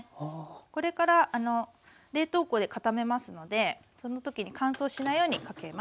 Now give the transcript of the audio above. これから冷凍庫で固めますのでその時に乾燥しないようにかけます。